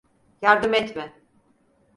Yardım etme.